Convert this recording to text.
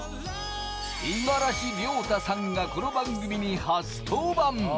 五十嵐亮太さんがこの番組に初登板。